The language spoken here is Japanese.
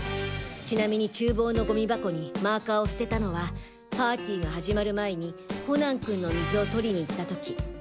ちなみに厨房のゴミ箱にマーカーを捨てたのはパーティーが始まる前にコナン君の水を取りに行った時。